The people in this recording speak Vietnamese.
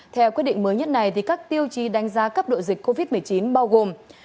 theo quyết định mới nhất này các tiêu chí đánh giá cấp độ dịch covid một mươi chín bao gồm